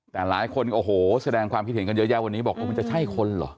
แต่หลายคนโอ้โหแสดงความคิดเห็นกันเยอะแยะวันนี้บอกมันจะใช่คนเหรอ